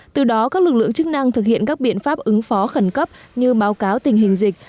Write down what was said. từ đó các lực lượng chức năng thực hiện các biện pháp ứng phó khẩn cấp như báo cáo tình hình dịch